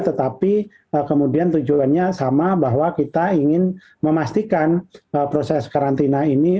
tetapi kemudian tujuannya sama bahwa kita ingin memastikan proses karantina ini